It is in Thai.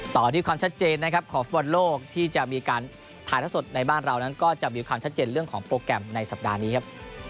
ต่อที่ความชัดเจนนะครับของฟุตบอลโลกที่จะมีการถ่ายท่อสดในบ้านเรานั้นก็จะมีความชัดเจนเรื่องของโปรแกรมในสัปดาห์นี้ครับ